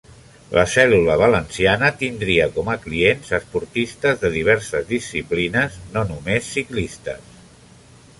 La cèl·lula valenciana tindria com a clients esportistes de diverses disciplines, no només ciclistes.